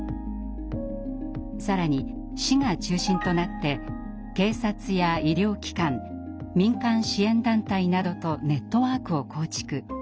更に市が中心となって警察や医療機関民間支援団体などとネットワークを構築。